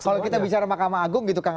kalau kita bicara mahkamah agung gitu kang